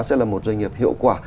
sẽ là một doanh nghiệp hiệu quả